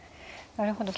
なるほど。